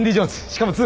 しかも２！